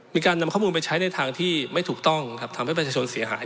มีการนำข้อมูลไปใช้ในทางที่ไม่ถูกต้องครับทำให้ประชาชนเสียหาย